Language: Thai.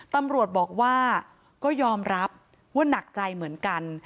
ตำรวจบอกว่าก็ยอมรับว่าหนักใจเหมือนกัน